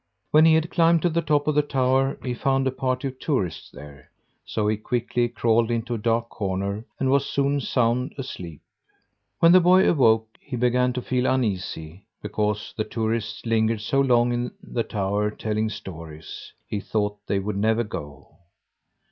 When he had climbed to the top of the tower he found a party of tourists there, so he quickly crawled into a dark corner and was soon sound asleep. When the boy awoke, he began to feel uneasy because the tourists lingered so long in the tower telling stories. He thought they would never go.